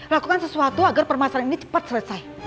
lakukan sesuatu agar permasalahan ini cepat selesai